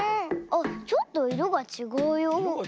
あっちょっといろがちがうよほら。